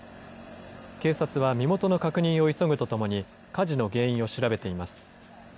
警察は身元の確認を急ぐとともに、火事の原因を調べています。